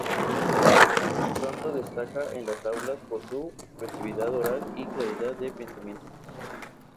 Martín pronto destaca en las aulas por su expresividad oral y claridad de pensamientos.